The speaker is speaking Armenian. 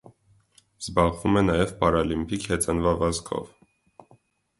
Զբաղվում է նաև պարալիմպիկ հեծանվավազքով։